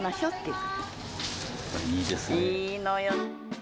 いいのよ。